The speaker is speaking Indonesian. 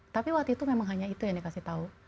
tapi waktu itu memang hanya itu yang dikasih tahu